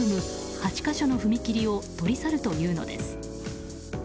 ８か所の踏切を取り去るというのです。